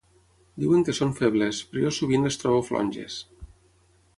Diuen que són febles, però jo sovint les trobo flonges.